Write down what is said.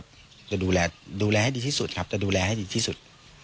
ได้ว่าได้ขอโทษจะดูแลดูแลให้ดีที่สุดครับจะดูแลให้ดีที่สุด